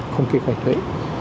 không kê khai thuế